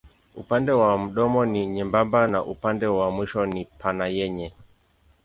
Upande wa mdomo ni nyembamba na upande wa mwisho ni pana yenye.